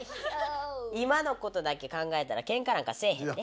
今のことだけ考えたらケンカなんかせえへんで。